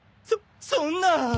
そそんな！